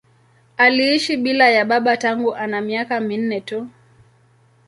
Aliishi bila ya baba tangu ana miaka minne tu.